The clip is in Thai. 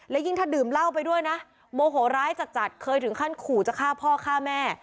และยิ่งถ้าดื่มเหล้าไปด้วยนะโมโหร้ายจัดเคยถึงขั้นขู่จะฆ่าพ่อฆ่าแม่